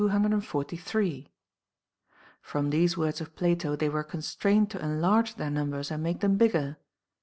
* From these words of Plato they were constrained to enlarge their numbers and make them bigger.